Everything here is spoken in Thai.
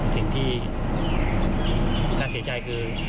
สิ่งที่น่าเสียใจคือ